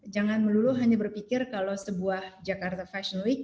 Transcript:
jangan melulu hanya berpikir kalau sebuah jakarta fashion week